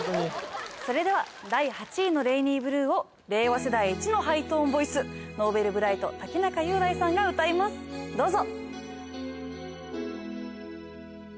それでは第８位の『レイニーブルー』を令和世代いちのハイトーンボイス Ｎｏｖｅｌｂｒｉｇｈｔ ・竹中雄大さんが歌いますどうぞ。